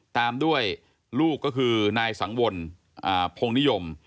ตามด้วยลูกก็คือนายสังวลพงนิยม